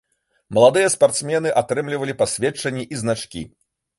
Маладыя спартсмены атрымлівалі пасведчанні і значкі.